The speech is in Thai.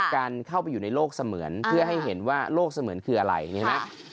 การเข้าไปอยู่ในโลกเสมือนเพื่อให้เห็นว่าโลกเสมือนคืออะไรใช่ไหม